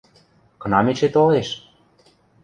Кынам эче толеш?